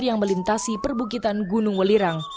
yang melintasi perbukitan gunung welirang